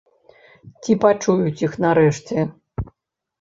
Ці пачуюць іх нарэшце?